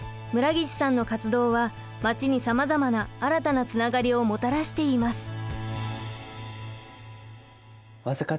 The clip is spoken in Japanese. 村岸さんの活動はまちにさまざまな新たなつながりをもたらしています。